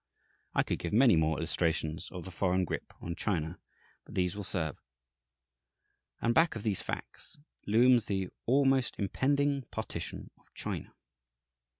I could give many more illustrations of the foreign grip on China, but these will serve. And back of these facts looms the always impending "partition of China."